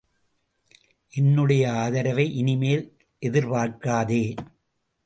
என்னுடைய ஆதரவை இனிமேல் எதிர்பார்க்காதே!